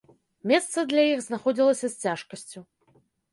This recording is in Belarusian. Месца для іх знаходзілася з цяжкасцю.